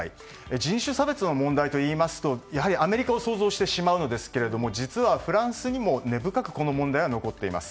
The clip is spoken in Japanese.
人種差別の問題といいますとやはりアメリカを想像してしまうのですけれども実は、フランスにも根深くこの問題は残っています。